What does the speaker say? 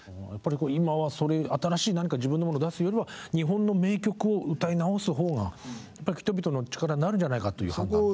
やっぱり今は新しい何か自分のものを出すよりは日本の名曲を歌い直す方が人々の力になるんじゃないかという判断。